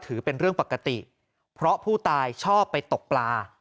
ถือเป็นเรื่องปกติเพราะผู้ตายชอบไปตกปลา